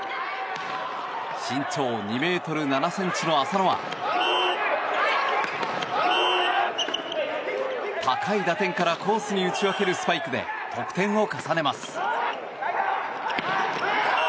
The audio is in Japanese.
身長２ｍ７ｃｍの麻野は高い打点からコースに打ち分けるスパイクで得点を重ねます。